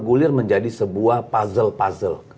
bergulir menjadi sebuah puzzle puzzle